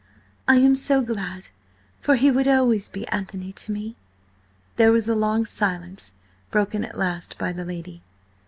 I am so glad, for he would always be Anthony to me." There was a long silence, broken at last by the lady.